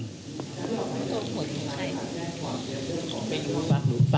ก็เรียกทุกวัฒนีไป